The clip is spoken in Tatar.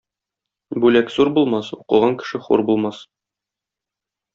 Бүләк зур булмас, укыган кеше хур булмас.